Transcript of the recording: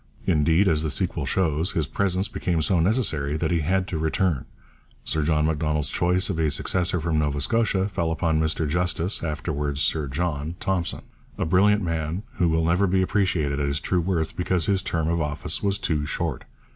Indeed, as the sequel shows, his presence became so necessary that he had to return. Sir John Macdonald's choice of a successor from Nova Scotia fell upon Mr Justice (afterwards Sir John) Thompson, a brilliant man, who will never be appreciated at his true worth because his term of office was too short.